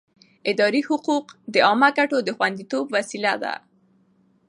اداري حقوق د عامه ګټو د خوندیتوب وسیله ده.